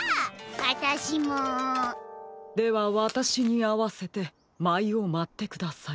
あたしも！ではわたしにあわせてまいをまってください。